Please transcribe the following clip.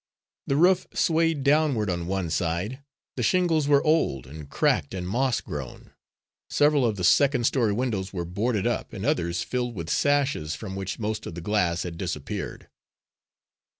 The roof swayed downward on one side; the shingles were old and cracked and moss grown; several of the second story windows were boarded up, and others filled with sashes from which most of the glass had disappeared.